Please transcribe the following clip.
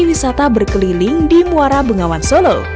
wisata berkeliling di muara bengawan solo